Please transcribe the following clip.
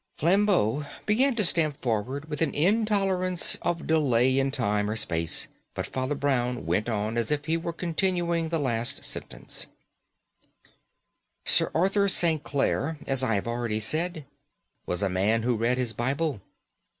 Flambeau began to stamp forward with an intolerance of delay in time or space; but Father Brown went on as if he were continuing the last sentence: "Sir Arthur St. Clare, as I have already said, was a man who read his Bible.